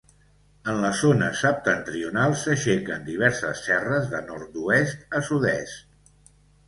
En la zona septentrional s'aixequen diverses serres de nord-oest a sud-est.